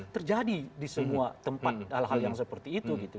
terjadi di semua tempat hal hal yang seperti itu gitu